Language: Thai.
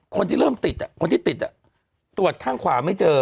คนที่เริ่มติดคนที่ติดตรวจข้างขวาไม่เจอ